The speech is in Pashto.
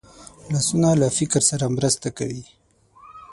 لاسونه له فکر سره مرسته کوي